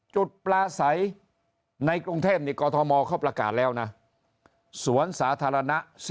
ปลาใสในกรุงเทพนี่กรทมเขาประกาศแล้วนะสวนสาธารณะ